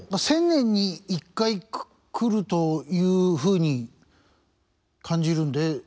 １０００年に１回来るというふうに感じるんで。